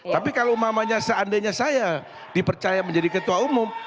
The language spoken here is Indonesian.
tapi kalau umpamanya seandainya saya dipercaya menjadi ketua umum